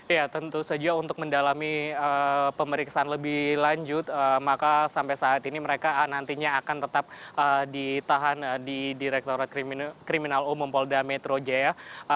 ya tentu saja untuk mendalami pemeriksaan lebih lanjut maka sampai saat ini mereka nantinya akan tetap ditahan di direkturat kriminal umum polda metro jaya